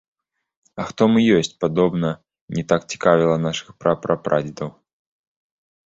А хто мы ёсць, падобна, не так цікавіла нашых пра-пра-прадзедаў.